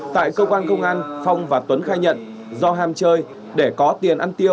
tại cơ quan công an phong và tuấn khai nhận do ham chơi để có tiền ăn tiêu